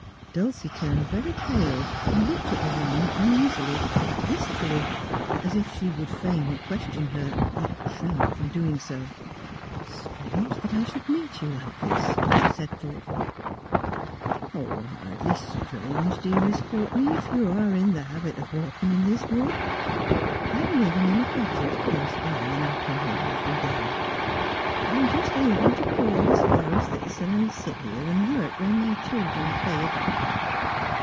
Dulcie turned very pale, and looked at the woman uneasily, wistfully, as if she would fain have questioned her, yet shrank from doing so. ' Strange that I should meet you like this,' she said thought fully. ' Hardly strange, dear Miss Courtenay, if you are in the habit of walking in this wood. I am living in a cottage close by, and I come here every day. I am just able to crawl as far as this, and I sit here and work while my children play about.'